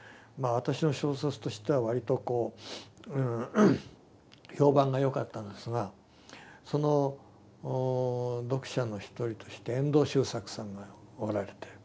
私の小説としてはわりとこう評判がよかったのですがその読者の一人として遠藤周作さんがおられて。